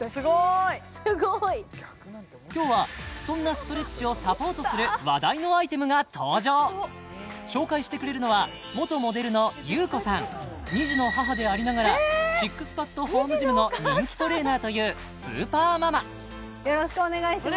すごい今日はそんなストレッチをサポートする話題のアイテムが登場紹介してくれるのは元モデルのＹＵＫＯさん２児の母でありながらＳＩＸＰＡＤホームジムの人気トレーナーというスーパーママよろしくお願いします